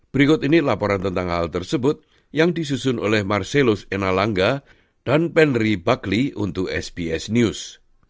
berikut ini laporan tentang hal tersebut yang disusun oleh marcellus enalanga dan penry buckley untuk sbs news